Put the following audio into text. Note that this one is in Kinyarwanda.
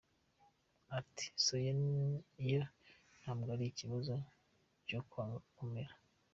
Ati “Soya yo ntabwo ari ikibazo cyo kwanga kumera.